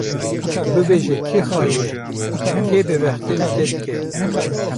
Bibêje kî xayîn e, kê bêbextî li te dike